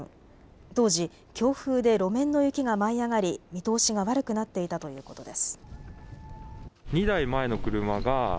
当時、強風で路面の雪が舞い上がり見通しが悪くなっていたということです。